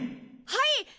はい！